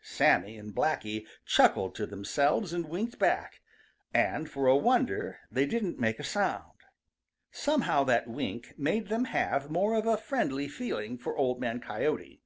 Sammy and Blacky chuckled to themselves and winked back, and for a wonder they didn't make a sound. Somehow that wink made them have more of a friendly feeling for Old Man Coyote.